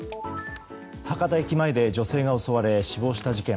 博多駅前で女性が襲われ死亡した事件。